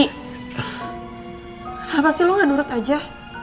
kenapa sih lo gak nurut aja